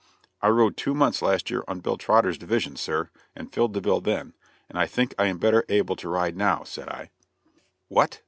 "I rode two months last year on Bill Trotter's division, sir, and filled the bill then; and I think I am better able to ride now," said I. "What!